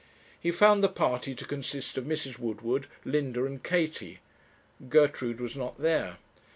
He found the party to consist of Mrs. Woodward, Linda, and Katie; Gertrude was not there.